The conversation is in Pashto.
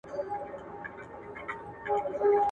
زه بايد زدکړه وکړم!